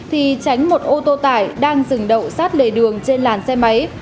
thì tránh một ô tô tải đang dừng đậu sát lề đường trên làn xe máy